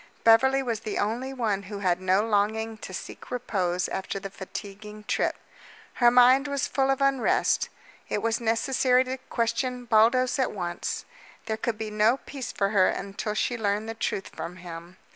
Beverly was the only one who had no longing to seek repose after the fatiguing trip. Her mind was full of unrest. It was necessary to question Baldos at once. There could be no peace for her until she learned the truth from him.